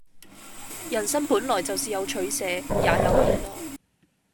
人生本來就是有取捨、也有無奈